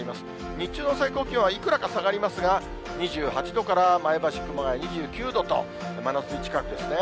日中の最高気温はいくらか下がりますが、２８度から前橋、熊谷２９度と、真夏日近くですね。